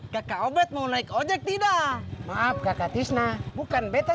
kaka obet mau naik ojek tidak maaf kakak tisna bukan bete